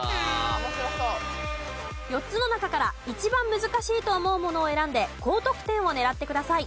４つの中から一番難しいと思うものを選んで高得点を狙ってください。